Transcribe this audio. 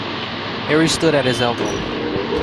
Harry stood at his elbow.